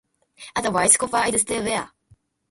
Otherwise, copper is still rare.